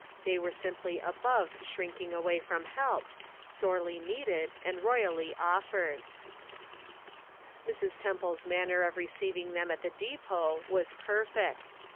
They were simply above shrinking away from help, sorely needed, and royally offered. Mrs. Temple's manner of receiving them 362 The Pocket Measure. at the depot was perfect.